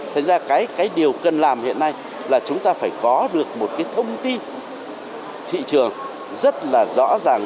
thành ra cái điều cần làm hiện nay là chúng ta phải có được một cái thông tin thị trường rất là rõ ràng